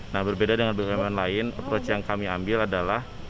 nah berbeda dengan bumn lain approach yang kami ambil adalah